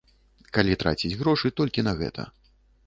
Калі траціць грошы толькі на гэта.